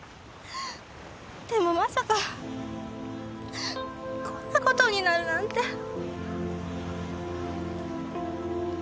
でもまさかこんな事になるなんて。